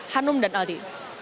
hanum dan aldi